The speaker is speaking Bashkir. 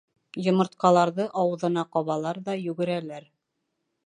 Йомортҡаларҙы ауыҙына ҡабалар ҙа йүгерәләр.